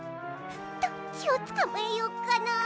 どっちをつかまえよっかな。